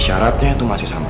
syaratnya itu masih sama